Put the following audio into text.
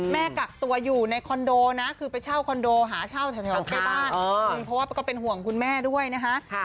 กักตัวอยู่ในคอนโดนะคือไปเช่าคอนโดหาเช่าแถวใกล้บ้านเพราะว่าก็เป็นห่วงคุณแม่ด้วยนะคะ